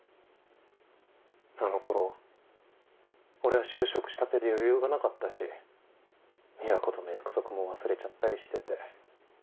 あの頃俺は就職したてで余裕がなかったし美和子との約束も忘れちゃったりしてて。